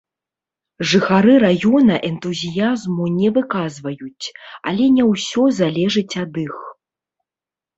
Жыхары раёна энтузіязму не выказваюць, але не ўсё залежыць ад іх.